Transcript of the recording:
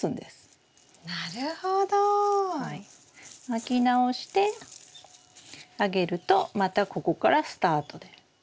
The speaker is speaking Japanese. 巻き直してあげるとまたここからスタートです。